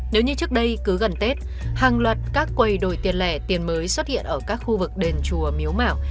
nếu như trước đây cứ gần tết hàng loạt các quầy đổi tiền lẻ tiền mới xuất hiện ở các khu vực đền chùa miếu mảng